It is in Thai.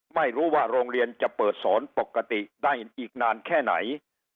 ไม่รู้ว่าโรงเรียนจะเปิดสอนปกติได้อีกนานแค่ไหน